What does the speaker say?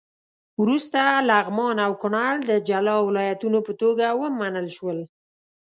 وروسته لغمان او کونړ د جلا ولایتونو په توګه ومنل شول.